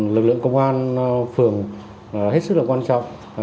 lực lượng công an phường hết sức là quan trọng